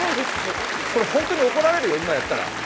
これ本当に怒られるよ、今やったら。